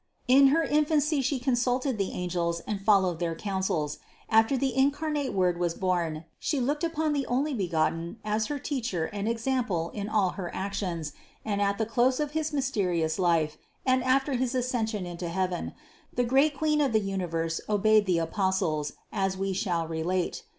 In her infancy She consulted the angels and followed their counsels; after the incarnate Word was born, She looked upon the Onlybegotten as her Teacher 514 CITY OF GOD and example in all her actions and at the close of his mysterious life and after his Ascension into heaven, the great Queen of the universe obeyed the Apostles, as we shall relate.